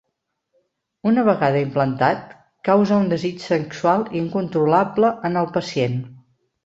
Una vegada implantat, causa un desig sexual incontrolable en el pacient.